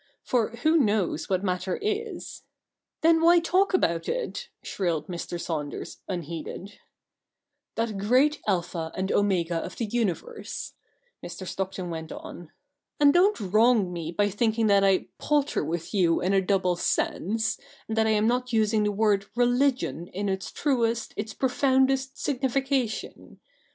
For who knows what matter is '—(' Then, why talk about it ?' shrilled Mr. Saunders, unheeded) — 'that great Alpha and Omega of the Universe ?' Mr. Stockton went on. 'And don't wrong me by thinking that I "palter with you in a double sense," and that I am not using the word religio)i in its truest, its profoundest signification.